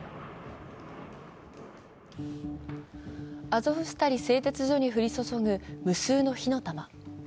アゾフスタリ製鉄所に降り注ぐ無数の火の玉。